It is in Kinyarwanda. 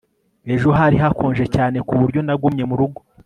ejo hari hakonje cyane ku buryo nagumye mu rugo